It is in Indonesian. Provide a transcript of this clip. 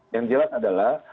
yang jelas adalah